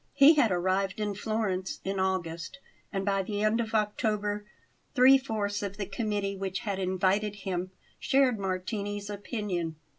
He had arrived in Florence in August, and by the end of October three fourths of the committee which had invited him shared Martini's opinion.